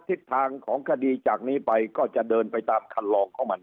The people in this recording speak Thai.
ทิศทางของคดีจากนี้ไปก็จะเดินไปตามคันลองของมัน